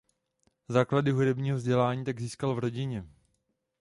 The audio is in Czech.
Základy hudebního vzdělání tak získal v rodině.